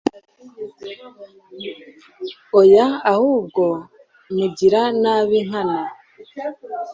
oya! ahubwo mugira nabi nkana